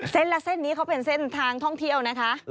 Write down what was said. ละเส้นนี้เขาเป็นเส้นทางท่องเที่ยวนะคะ